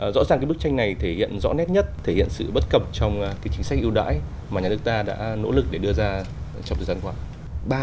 rõ ràng bức tranh này thể hiện rõ nét nhất thể hiện sự bất cập trong chính sách ưu đãi mà nhà nước ta đã nỗ lực để đưa ra trong thời gian qua